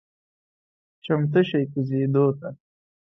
چمتو شئ کوزیدو ته…